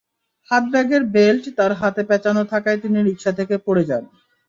হাতব্যাগের belt তাঁর হাতে প্যাঁচানো থাকায় তিনি রিকশা থেকে পড়ে যান।